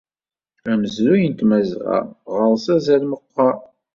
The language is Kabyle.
Amezruy n Tmazɣa ɣer-s azal meqqer.